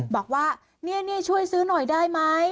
บอกว่านี่ช่วยซื้อหน่อยได้ไหม